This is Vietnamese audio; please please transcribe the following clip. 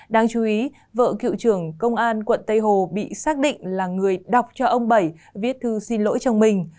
đáng chú ý vợ cựu trưởng công an quận tây hồ bị xác định là người đọc cho ông bảy viết thư xin lỗi chồng mình